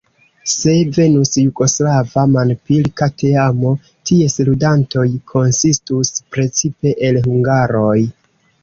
Se venus jugoslava manpilka teamo, ties ludantoj konsistus precipe el hungaroj.